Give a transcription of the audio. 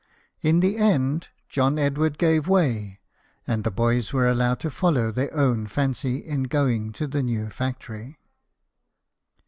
In the end, John Edward gave way, and the boys were allowed to follow their own fancy in going to the new factory.